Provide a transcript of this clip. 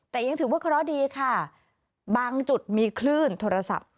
แต่ยังถือว่าเคราะห์ดีค่ะบางจุดมีคลื่นโทรศัพท์